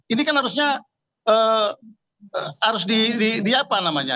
ini kan harusnya diapa namanya